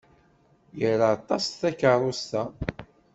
Ira aṭas takeṛṛust-a.